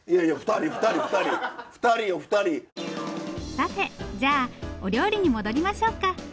さてじゃあお料理に戻りましょうか。